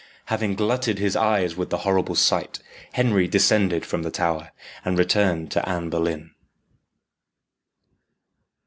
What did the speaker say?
Having glutted his eyes with the horrible sight, Henry descended from the tower, and returned to Anne Boleyn.